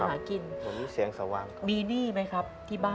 หมายถึงเสียงสหวานที่บ้านมีหนี้ไหมครับ